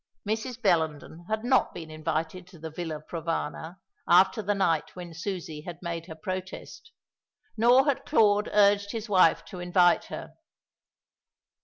Mrs. Bellenden had not been invited to the Villa Provana after the night when Susie had made her protest, nor had Claude urged his wife to invite her.